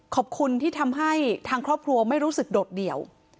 ขอบคุณที่ทำให้ทางครอบครัวไม่รู้สึกโดดเดี่ยว